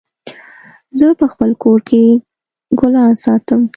زه په خپل کور کي ګلان ساتم